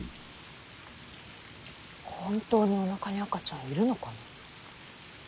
本当におなかに赤ちゃんいるのかな。